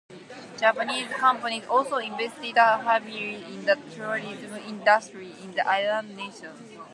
Japanese companies also invested heavily in the tourism industry in the island nations.